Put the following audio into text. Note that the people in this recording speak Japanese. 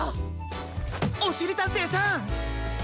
おしりたんていさん！